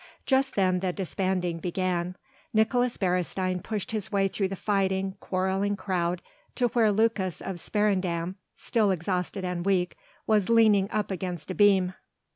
Just then the disbanding began. Nicolaes Beresteyn pushed his way through the fighting, quarrelling crowd to where Lucas of Sparendam, still exhausted and weak, was leaning up against a beam.